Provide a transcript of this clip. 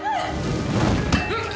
うっ！